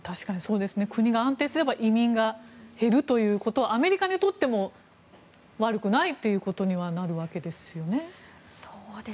国が安定して移民が減るということはアメリカにとっても悪くないということにはなるわけですよね。